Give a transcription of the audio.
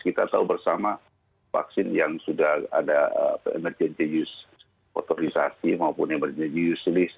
kita tahu bersama vaksin yang sudah ada emergency use otorisasi maupun emergency use list